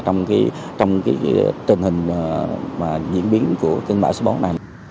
trong cái trình hình